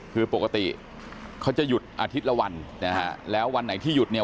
คือปกติเขาจะหยุดอาทิตย์ละวันนะฮะแล้ววันไหนที่หยุดเนี่ย